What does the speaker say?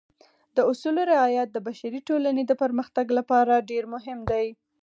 د اصولو رعایت د بشري ټولنې د پرمختګ لپاره ډېر مهم دی.